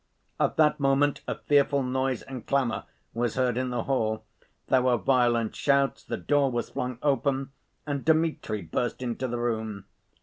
At that moment a fearful noise and clamor was heard in the hall, there were violent shouts, the door was flung open, and Dmitri burst into the room.